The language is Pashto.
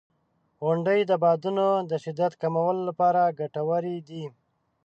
• غونډۍ د بادونو د شدت کمولو لپاره ګټورې دي.